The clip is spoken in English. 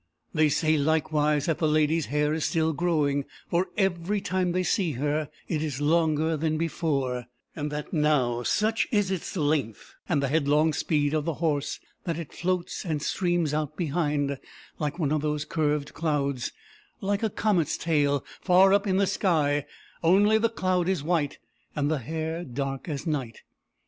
"They say, likewise, that the lady's hair is still growing; for, every time they see her, it is longer than before; and that now such is its length and the head long speed of the horse, that it floats and streams out behind, like one of those curved clouds, like a comet's tail, far up in the sky; only the cloud is white, and the hair dark as night.